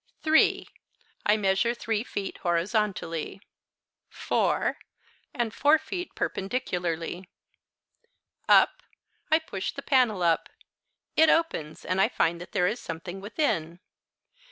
'Three' I measure three feet horizontally. 'Four' and four feet perpendicularly. 'Up' I push the panel up; it opens, and I find that there is something within.